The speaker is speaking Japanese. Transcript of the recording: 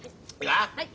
はい。